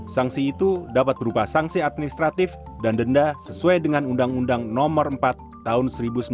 sanksi itu dapat berupa sanksi administratif dan denda sesuai dengan undang undang no empat tahun seribu sembilan ratus sembilan puluh